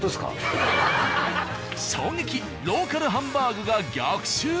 衝撃ローカルハンバーグが逆襲。